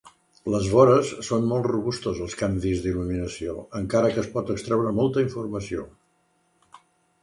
Les vores són molt robustes als canvis d'il·luminació, encara que es pot extreure molta informació.